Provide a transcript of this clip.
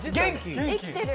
生きてる。